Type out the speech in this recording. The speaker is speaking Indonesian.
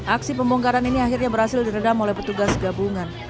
aksi pembongkaran ini akhirnya berhasil diredam oleh petugas gabungan